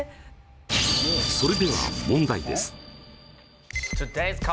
それでは問題です。